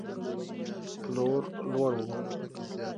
پلور لوړ و.